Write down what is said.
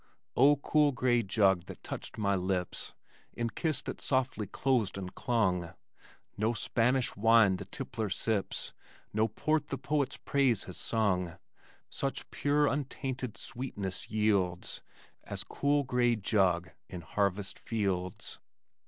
O cool gray jug that touched the lips In kiss that softly closed and clung, No Spanish wine the tippler sips, No port the poet's praise has sung Such pure, untainted sweetness yields As cool gray jug in harvest fields.